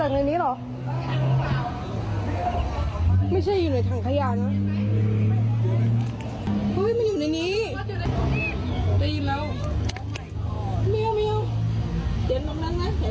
น้องอยู่ในถุงเหรอ